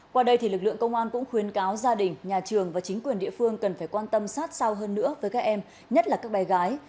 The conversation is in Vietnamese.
qua đây thì lực lượng công an cũng khuyến cáo gia đình nhà trường và chính quyền địa phương cần phải quan tâm sát sao hơn nữa với các em nhất là các bé gái